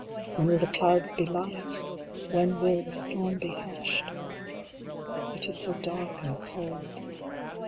When will the clouds be light ? When will the storm be hushed ? It is so dark and cold.